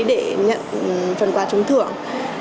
và bắt tôi làm những phần quà trúng thưởng